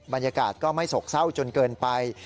บรรยากาศก็ไม่โศกเศร้าจนเกินไป